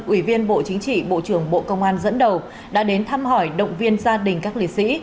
ủy viên bộ chính trị bộ trưởng bộ công an dẫn đầu đã đến thăm hỏi động viên gia đình các liệt sĩ